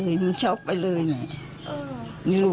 ยังตัวอยู่